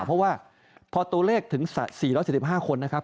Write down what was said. เพราะว่าพอตัวเลขถึง๔๗๕คนนะครับ